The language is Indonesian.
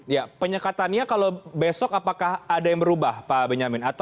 ya penyekatannya kalau besok apakah ada yang berubah pak benyamin